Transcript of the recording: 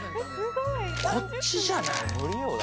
こっちじゃない？